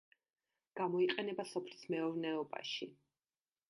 გამოიყენება სოფლის მეურნეობაში.